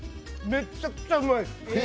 めっちゃくちゃうまいです。